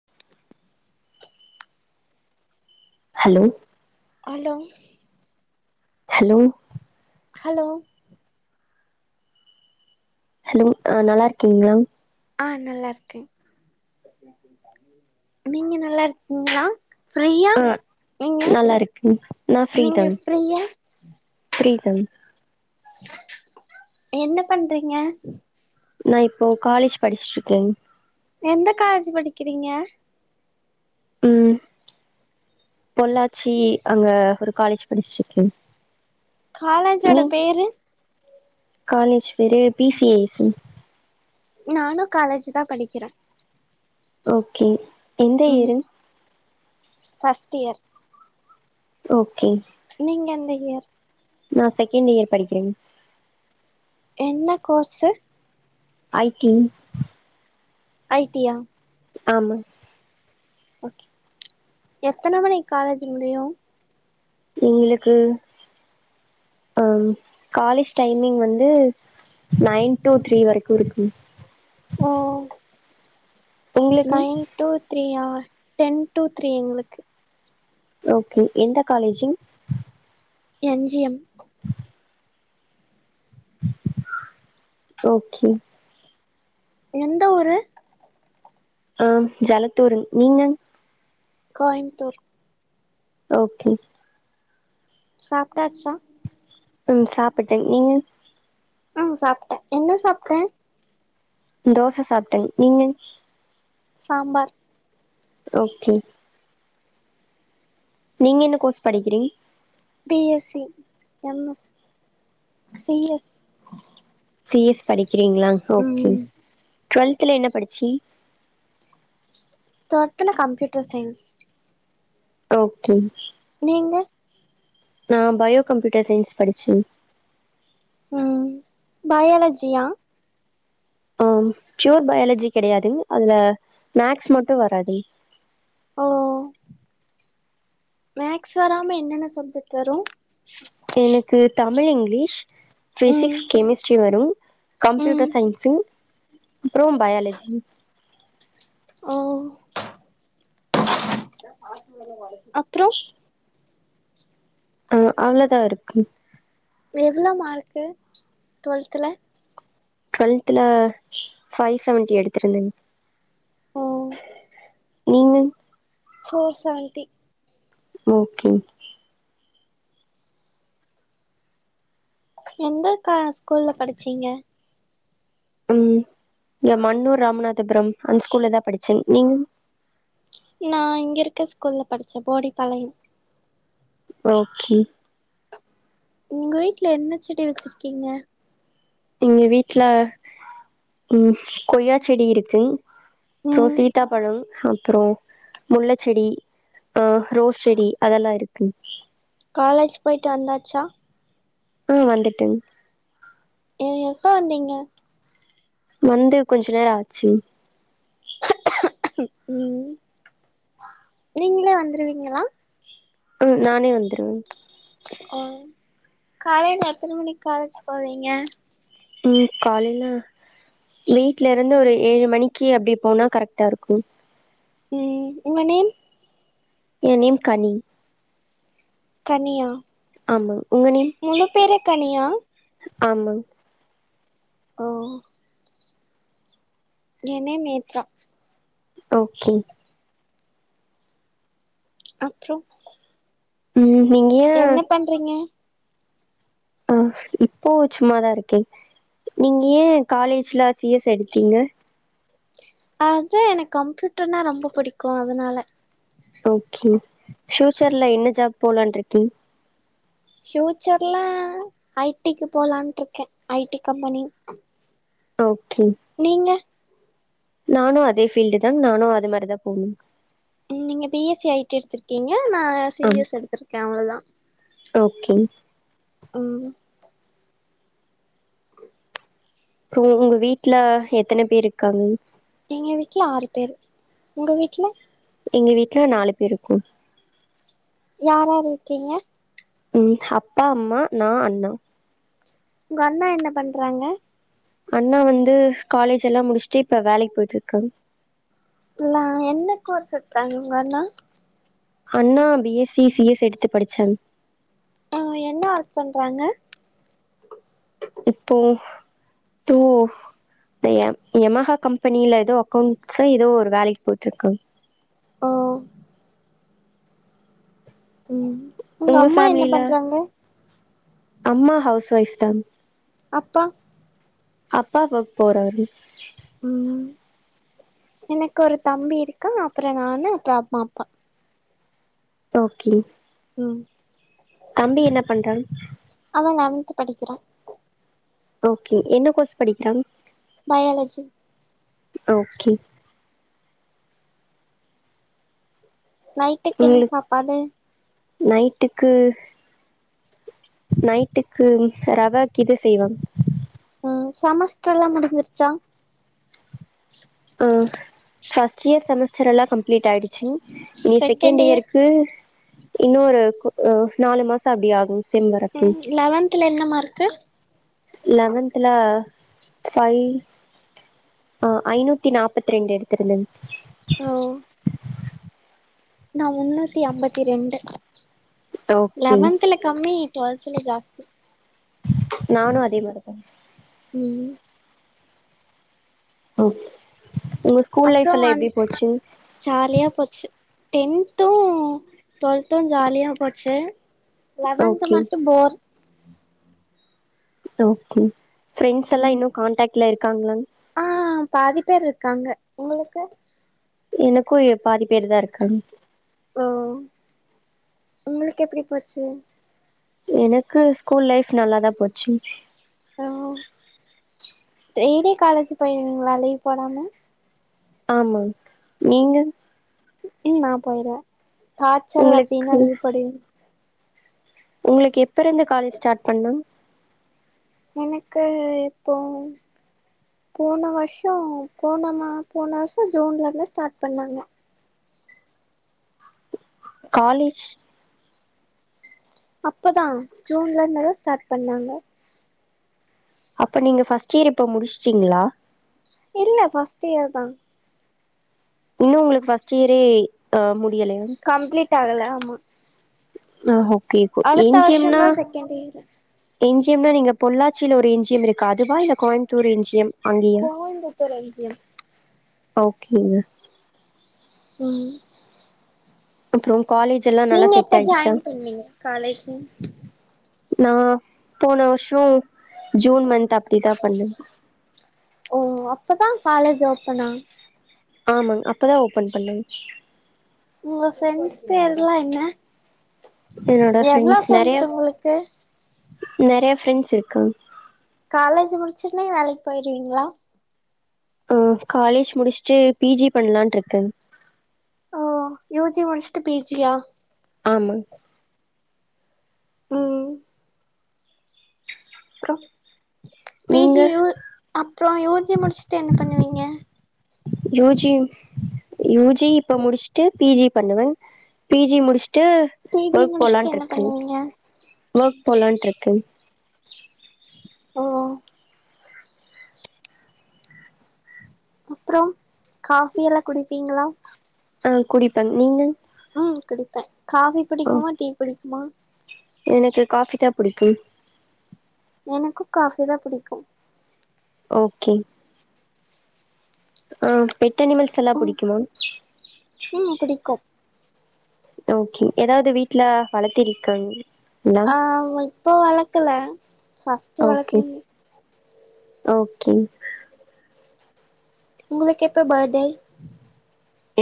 [inaudible] Hello hello hello hello hello ஆ நல்லா இருக்கீங்களா ஆஹ் நல்லா இருக்கேன் நீங்க நல்லா இருக்கீங்களா ஃப்ரீயா ஆஹ நீங்க நல்லா இருக்கு நான் பிஃரீ நீங்க தம் ஃப்ரீயா பிஃரீ தான் என்ன பண்றீங்க நான் இப்போ காலேஜ் படிச்சட்டு இருக்கேன் எந்த காலேஜ் படிக்கிறீங்க ம் அஹ [inaudible] பொள்ளாச்சி அங்க ஒரு காலேஜ் படிச்சிட்டுருக்கேன் காலேஷஜ்ஜோட பேரு காலேஜ் பேரு பி சி ஏசி நானும் காலேஜ் தான் படிக்கிறேன் ஓகே எந்த ம் இயரு ஃபஸ்ட் இயர் ஓகே நீங்க எந்த இயர் நா செகண்ட் இயர் படிக்கிறே என்ன கோர்ஸ் ஐ டி ஐ டியா ஆமா ஓகே எத்தன மணிக்கு காலேஜ் முடியு எங்களுக்கு அ காலேஜ் டைமிங் வந்து நையன் டூ த்ரீ வரைக்கு இருக்கு ஓ உங்களுக்கு நையன் டூ த்ரீயா டென் டூ த்ரீ எங்களுக்கு ஓகே எந்த college N G M okay எந்த ஊரு? ஆ ஜலத்தூர், நீங்க? கோயமுத்தூர் ஓகே சாப்ட்டாச்சா ம் சாப்பிட்டே, நீங்க ஆ சாப்ட்டே, என்ன சாப்ட்டே தோச சாப்ட்டே, நீங்க சாம்பார் ஓகே நீங்க என்ன கோர்ஸ் படிக்கிறீங் B S C M S C S C S படிக்கிறீங்ளா ஓகே ம் டுவெல்த்ல என்ன படிச்சி டுவெல்த்ல கம்ப்யூட்டர் சயின்ஸ் ஓகே நீங்க நா பயோ கம்ப்யூட்டர் சயின்ஸ் படிச்சே ம் பயாலஜியா ஆ ப்யூர் பயாலஜி கிடையாது அதுல மேக்ஸ் மட்டு வராது ஓ மேக்ஸ் வராம என்னென்ன சப்ஜெக்ட் வரு எனக்கு தமிழ், இங்கிலீஷ், பிசிக்ஸ், ம் கெமிஸ்ட்ரி வரு ம் கம்ப்யூட்டர் சயின்ஸ்சு அப்றோ பயாலஜி ஓ அப்றோ ச்சி ஆ அவ்ளோதா இருக்கு எவ்ளோ மார்க் டுவெல்த்ல டுவெல்த்ல ஃபைவ் செவன்ட்டி எடுத்துருந்தே ஓ நீங்க ஃபோர் சவண்ட்டி ஓகே எந்த அக்கா ஸ்கூல்ல படிச்சீங்க ம் இங்க மன்னூர் ராமநாதபுரம் அந்த ஸ்கூல்ல தா படிச்ச நீங்க நா இங்க இருக்க ஸ்கூல்ல படிச்சே போடி பாளையம் ஓகே உங்க வீட்ல என்ன செடி வச்சுருக்கீங்க எங்க வீட்ல ம் கொய்யா செடி இருக்கு சோ ம் சீ த்தாப்பழம் அப்றோ முல்ல செடி ஆ ரோஸ் செடி அதெல்லா இருக்கு காலேஜ் போயிட்டு வந்தாச்சா ம் வந்துட்டேங் ஏ எப்ப வந்தீங்க வந்து கொஞ்சோ நேர ஆச்சுங் ம் [unintelligible] நீங்களே வந்துருவீங்களா ம் நானே வந்துருவேங் ஓ காலையில எத்தன மணிக்கு காலேஜ் போவீங்க ம் காலையில வீட்ல இருந்து ஒரு ஏழு மணிக்கி அப்டி போனா கரெக்டா இருக்கு ம் உங்க நேம் என் நேம் கனி கனியா ஆமாங் உங்க நேம் முழு பேரே கனியா ஆமாங் ஓ ஏ நேம் நேத்ரா ஓகே அப்றோ ம் நீங்க ஏன் என்ன பண்றீங்க ஆ இப்போ சும்மாதா இருக்கே நீங்க ஏ காலேஜ்ல சி எஸ் எடுத்தீங்க அது எனக்கு கம்ப்யூட்டர்னா ரொம்ப பிடிக்கு அதனால ஓகே ஃயூச்சர்ல என்ன ஜாப் போலாருக்கீங் பியூச்சர்ல ஐ டி க்கு போலான்ட்டு இருக்கே ஐ டி கம்பெனி ஓகே நீங்க நானு அதே ஃபீல்டு தா நானு அது மாரி தா போணு ம் நீங்க பி எஸ் சி ஐடி எடுத்திருக்கீங்க நா சீ ஆ எஸ் எடுத்திருக்கே அவ்ளதா ஓகே ம் அப்றோ உங்க வீட்ல எத்தன பேர் இருக்காங்க எங்க வீட்ல ஆறு பேர் உங்க வீட்ல எங்க வீட்ல நாலு பேர் இருக்கோ யார்ரார் இருக்கீங்க ம் அப்பா அம்மா நா அண்ணா உங்க அண்ண என்ன பண்றாங்க அண்ணா வந்து காலேஜ் எல்லா முடிச்சுட்டு இப்ப வேலைக்கு போயட்ருக்காங் என்ன கோர்ஸ் எட்தாங்க உங்க அண்ணா அண்ணா B S C C S எடுத்து படிச்சாங் ஆ என்ன ஒர்க் பண்றாங்க இப்போ தூ இந்த யம யமாஹா கம்பெனில ஏதோ அக்கௌண்ட்ஸ் ஏதோ ஒரு வேலைக்கு போய்ட்ருக்காங் ஓ ம் உங்க அம்மா என்ன பேமிலில பண்றாங்க அம்மா ஹவுஸ் ஒய்ப் தா அப்பா அப்பா வர்க் போறாரு ம் எனக்கு ஒரு தம்பி இருக்கா அப்பற நானு அப்பற அம்மா அப்பா ஓகே ம் தம்பி என்ன பண்றா அவ லெவன்த்து படிக்கிறா ஓகே என்ன கோர்ஸ் படிக்கிறா பாயாலஜி ஓகே நைட்டுக் என் உங்களுக்கு சாப்பாடு நைட்டுக்கு நைட்டுக்கு ரவா கீது செய்வா ம் சமஸ்டர்லா முடிஞ்சிருச்சா ஆ ஃவர்ஸ்ட் இயர் செமஸ்டர் எல்லா கம்ப்லீ்ட் ஆயிடு ச்சு இனி செகண்ட் இயருக்கு இன்னொரு அ நாலு மாச அப்டி ஆகும் மிஸ் ம் லெவன்த்ல என்ன மார்க்கு லெவன்த்ல பைவ் ஆ ஐநூத்தி நாற்பத்தி ரெண்டு எடுத்துருந்த ஓ நா முன்னூத்தி அம்பத்தி ரெண்டு ஓகே லெவன்தல கம்மி ட்வெல்த்ல ஜாஸ்தி நான அதே மாரிதா ம் ஓ உங்க அப்றோ ஆன் ஜாலியா போச்சு டென்த்து டுவெல்த்து ஜாலியா போச்சு லெவன்த்து ஓகே மட்டு போர் ஓகே ப்ரெண்ட்ஸ்ல்லா ம் இன்னு கான்டாக்ட்ல இருக்காங்களா ஆ பாதி பேர் இருக்காங்க உங்களுக்கு எனக்கு ஏ பாதி பேர் தா இருக்காங்க ஓ உங்களுக் எப்டி போச்சு எனக்கு ஸ்கூல் லைஃப் நல்லாதா போச்சு ஆ டெய்லியு காலேஜ் போயிருவிங்ளா லீவ் போடாம ஆமாங் நீங்க ம் நா போயிருவே காச்சல் அப்டின்னா உங்களுக்கு லீவ் போடுவே உங்களுக்கு எப்ப இருந்து காலேஜ் ஸ்டார்ட் பண்ணும் எனக்கு இப்போ போன வருஷோ போன மா போன வருஷோ ஜூன்ல இருந்து ஸ்டார்ட் பண்ணாங்க காலேஜ் அப்பதா ஜூன்ல இருந்து தா ஸ்டார்ட் பண்ணாங்க அப்ப நீங்க ஃபஸ்ட் இயர் இப்ப முடிச்ட்டீங்ளா இல்ல ஃபர்ஸ்ட் இயர் தா இன்னு உங்களுக்கு பஃர்ஸ்ட் இயரே ஆ முடியலையா கம்ப்ளீட் ஆகல ஆமா ஆ ஓகே என் ஜி எம் ன்னா எம் பி ஏ ல என் ஜி எம் னா நீங்க பொள்ளாச்சில ஒரு என் ஜி எம் இருக்கு அதுவா இல்ல கோயம்புத்தூர் என் ஜி எம் அங்கயா கோயம்புத்தூர் என் ஜி எம் ஓகேங்க ம் அப்றோ காலேஜ் எல்லா நல்லா நீங்க செட் எப்ப ஆயிடுச்சா ஜாயின் பண்ணீங்க காலேஜ் நா போன வருஷோ ஜூன் மந்த் அப்டிதா பண்ணே ஓ அப்பதா காலேஜ் ஓப்பனா ஆமாங் அப்பதா ஓப்பன் பண்ணாங் ஒங்க ஃபிரெண்ட்ஸ் பேருல்லா என்ன என்னோட எவ்ளோ ஃபிரெண்ட்ஸ் ஒங்களுக்கு நெறய ஃப்ரெண்ட்ஸ் இருக்காங் காலேஜ் முடிச்சோன வேலைக் போயிருவிங்ளா ம் காலேஜ் முடிச்சுட்டு பி ஜி பண்லான்ட் இருக்கன் ஆ யு ஜி முடிச்ட்டு பி ஜி யா ஆமாங் ம் அப்றோ பி நீங்க ஜி யு அப்றோ யூ ஜி முடிச்சுட்டு என்ன பண்ணுவீங்க யூ ஜி யூஜி இப்ப முடிச்ட்டு பி ஜி பண்ணுவே பி ஜி முடிச்சுட்டு பி ஜி ஒர்க் முடிச்சுட்டு என்ன போலான்ட்ருக்கு பண்ணுவீங்க ஒர்க் போலான்ட்ருக்குங் ஓ அப்றோ காஃபி எல்லா குடிப்பிங்ளா ஆ குடிப்பங் நீங்க ஆ குடிப்பே காஃபி ஆ பிடிக்குமா டீ பிடிக்குமா எனக்கு காஃபி தா பிடிக்கு எனக்கு காஃபி தா பிடிக்கு ஓகே ஆ பெட் அனிமல்ஸ் எல்லா ம் பிடிக்குமா ம் பிடிக்கும் ஓகே ஏதாவது வீட்ல வளர்த்துருக்கிங் ஆ இப்போ வளக்கல ஃபஸ்ட்டு வளத்தேங் ஓக்கே உங்களுக்கு எப்போ பேர்டே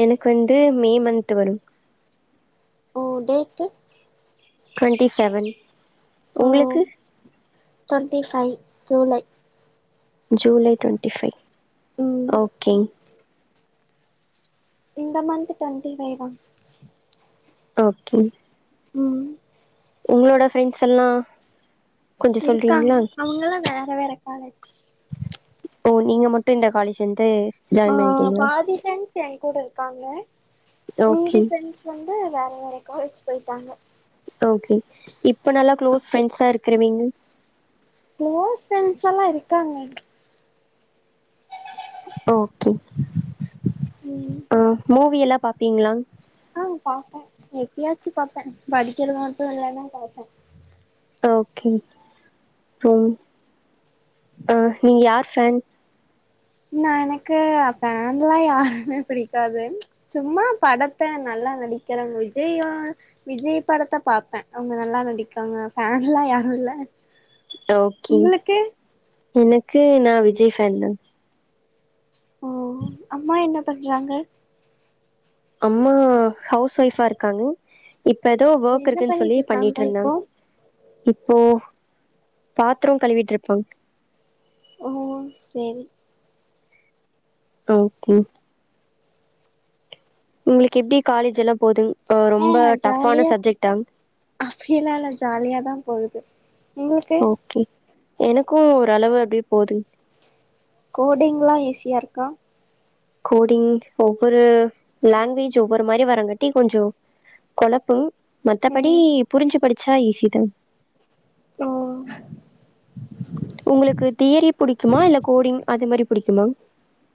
எனக்கு வந்து மே மந்த்து வரும் ஓ டேட்டு டொன்டீ செவன் ஓ உங்களுக்கு twenty five July July twenty five ம் ஓக்கே இந்த மன்த்து டொண்ட்டி ஃபை தா ஓகே ம் உங்களோட ஃபிரெண்ட்ஸ் எல்லா இருக்காங் அவுங்கலா வேற வேற காலஜ் ஓ நீங்க மட்டு இந்த காலேஜ் வந்து ஆ ஜாயின் பண்ணிட்டீங்களா பாதி ஃப்ரெண்ஸ் எங்கூட இருக்காங்க மீதி ஓகே ஃப்ரெண்ஸ் வந்து வேற வேற காலேஜ் போய்ட்டாங்க ஓகே இப்ப நல்ல க்ளோஸ் ஃப்ரெண்ட்ஸ்ஸா இருக்கறவீங்க குளோஸ் ஃப்ரெண்ட்ஸ் எல்லா இருக்காங்க ஓகே ம் அ மூவியெல்லா பாப்பீங்ளா ஆ பாப்பே எப்பயாச்சி பாப்பே படிக்கிறது மட்டு இல்லனா பாப்பே ஓகே ம் அ நீங்க யார் ஃபேன் நா எனக்கு பேன்ல்லா யாருமே புடிக்காது சும்மா படத்த நல்லா நடிக்கிற விஜய்யு விஜய் படத்த பாப்பே அவுங்க நல்லா நடிக்காங்க ஃபேன்லா யாரு இல்ல ஓக்கே உங்களுக்கு எனக்கு நா விஜய் ஃபேன் தா ஓ அம்மா என்ன பண்றாங்க அம்மா ஹவுஸ் ஒய்ஃபா இருக்காங்க இப்ப எதோ வோக் என்ன இருக்குன் சொல்லி பண்ணிட்டு இருக்காங்க இப்போ பண்ணிட்ருந்தாங்க இப்போ பாத்ரோ கழுவிட்ருப்பாங் ஓ சேரி ஓகே உங்களுக்கு எப்டி காலேஜ் எல்லா போதுங் அ ஆ ரொம்ப டப்ஃபான ஜாலியா சப்ஜெக்டா அப்டியெல்லா இல்ல ஜாலியாதா போவுது ஓகே எனக்கு ஒரு அளவு அப்டே போதுங் கோடிங்லா ஈஸியா இருக்கா கோடிங் ஒவ்வொரு லேங்வேஜ் ஒவ்வொரு மாறி வரங்காட்டி கொஞ்சோ கொழப்பு மத்தபடி ம் புரிஞ்சி படிச்சா ஈஸி தா ஓ உங்களுக்கு தியெரி புடிக்குமா இல்ல கோடிங் அது மாரி புடிக்குமா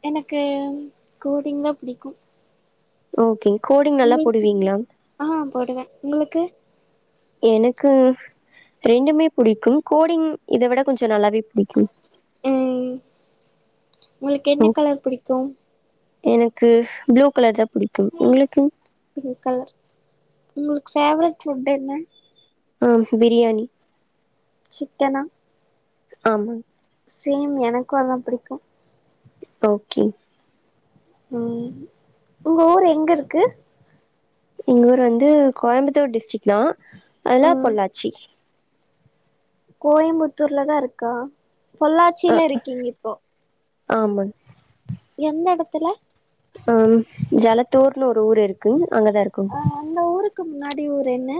எனக்கு கோடிங் தா புடிக்கு ஓகே கோடிங் நல்லா உங்களுக்கு போடுவீங்ளா ஆ போடுவே உங்களுக்கு எனக்கு ரெண்டுமே புடிக்கு கோடிங் இத விட கொஞ்சோ நல்லாவே பிடிக்கும் ம் உங்களுக் என்ன ஓ கலர் புடிக்கு எனக்கு ப்ளூ கலர்தா புடிக்கு உங்களுக்கு பிங் கலர் உங்களுக்கு ஃபேவ்ரெட் ஃபுட் என்ன ஆம் பிரியாணி சிக்கனா ஆமாங் சேம் எனக்கும் அதா பிடிக்கும் ஓகே ம் உங்க ஊரு எங்க இருக்கு எங்க ஊர் வந்து கோயம்புத்தூர் டிஸ்ட்ரிக் தா அதுல வந்து பொள்ளாச்சி கோயம்புத்தூர்ல தா இருக்கா பொள்ளாச்சில இருக்கீங்க இப்போ ஆமா எந்த எடத்துல ம் ஜலத்தூர்னு ஒரு ஊரு இருக்கு அங்கதா இருக்கோ அ அந்த ஊருக்கு முன்னாடி ஊர் என்ன